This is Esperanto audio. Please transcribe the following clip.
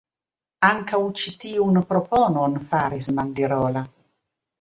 Ankaŭ ĉi tiun proponon faris Mandirola.